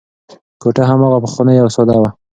کوټه هماغه پخوانۍ او ساده وه.